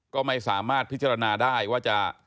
ก็ไม่สามารถพิจารณาได้ว่าจะ